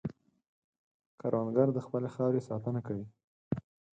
کروندګر د خپلې خاورې ساتنه کوي